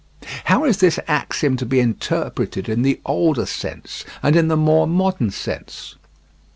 How is this axiom to be interpreted in the older sense and in the more modern sense?